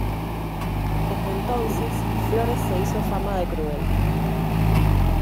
Desde entonces Flores se hizo fama de cruel.